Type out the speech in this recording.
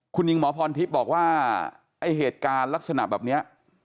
คุณหญิงหมอพรทิพย์บอกว่าไอ้เหตุการณ์ลักษณะแบบนี้